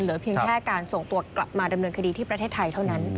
เพียงแค่การส่งตัวกลับมาดำเนินคดีที่ประเทศไทยเท่านั้น